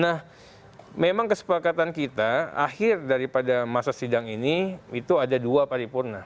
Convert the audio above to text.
nah memang kesepakatan kita akhir daripada masa sidang ini itu ada dua paripurna